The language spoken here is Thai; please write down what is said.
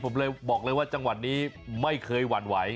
ผมเลยบอกเลยว่าจังหวัดนี้ไม่เคยหวั่นไหว